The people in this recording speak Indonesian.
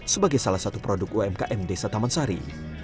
sebagai salah satu produk umkm desa taman sari